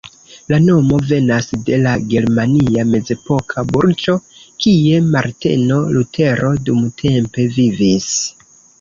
La nomo venas de la germania mezepoka burgo, kie Marteno Lutero dumtempe vivis.